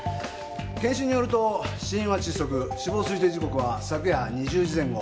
検視によると死因は窒息死亡推定時刻は昨夜２０時前後。